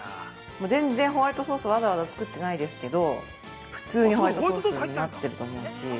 全然ホワイトソースをわざわざ作ってないですけど普通にホワイトソースになってると思うし。